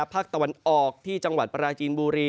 ภาคตะวันออกที่จังหวัดปราจีนบุรี